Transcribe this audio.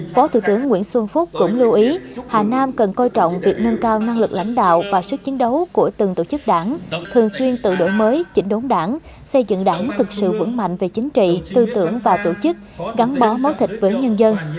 phó thủ tướng nguyễn xuân phúc cũng lưu ý hà nam cần coi trọng việc nâng cao năng lực lãnh đạo và sức chiến đấu của từng tổ chức đảng thường xuyên tự đổi mới chỉnh đốn đảng xây dựng đảng thực sự vững mạnh về chính trị tư tưởng và tổ chức gắn bó máu thịt với nhân dân